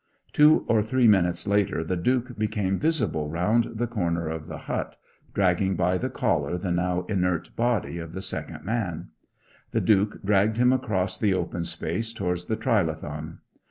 Two or three minutes later the Duke became visible round the corner of the hut, dragging by the collar the now inert body of the second man. The Duke dragged him across the open space towards the trilithon.